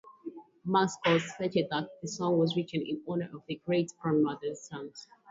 Mark Schultz stated that the song was written in honor of his Great-Grandmother's sons.